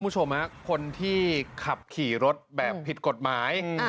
คุณผู้ชมคนที่ขับขี่รถแบบผิดกฎหมาย